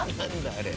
あれ。